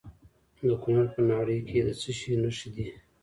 د کونړ په ناړۍ کې د څه شي نښې دي؟